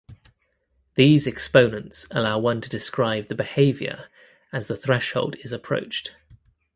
These exponents allow one to describe the behavior as the threshold is approached.